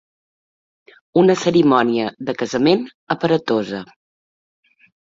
Una cerimònia de casament aparatosa.